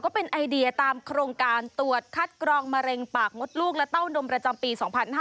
เป็นไอเดียตามโครงการตรวจคัดกรองมะเร็งปากมดลูกและเต้านมประจำปี๒๕๕๙